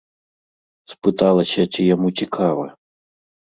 Спыталася, ці яму цікава.